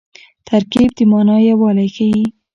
ترکیب د مانا یووالی ښيي.